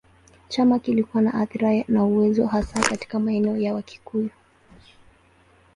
Chama kilikuwa na athira na uwezo hasa katika maeneo ya Wakikuyu.